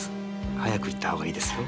早く行ったほうがいいですよ。